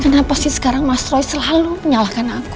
kenapa sih sekarang mas roy selalu menyalahkan aku